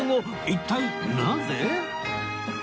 一体なぜ！？